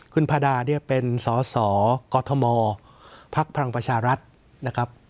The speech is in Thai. คุณพาดาเนี่ยเป็นสสกมพักพลังประชารัฐนะครับ